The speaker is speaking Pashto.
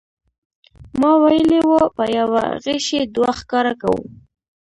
ما ویلي و په یوه غیشي دوه ښکاره کوو.